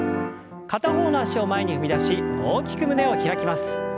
片方の脚を前に踏み出し大きく胸を開きます。